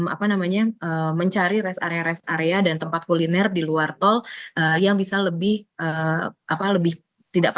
apa namanya mencari rest area rest area dan tempat kuliner di luar tol yang bisa lebih apa lebih tidak